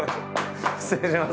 失礼します。